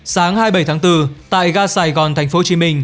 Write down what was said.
sáng hai mươi bảy tháng bốn tại ga sài gòn tp hcm